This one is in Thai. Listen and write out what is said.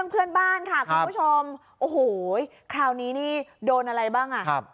เพื่อนบ้านค่ะคุณผู้ชมโอ้โหคราวนี้นี่โดนอะไรบ้างอ่ะ